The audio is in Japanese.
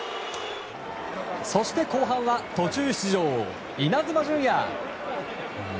そして、後半は途中出場イナズマ純也。